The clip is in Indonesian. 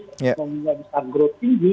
komoditas bisa growth tinggi